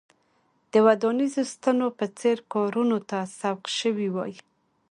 د ودانیزو ستنو په څېر کارونو ته سوق شوي وای.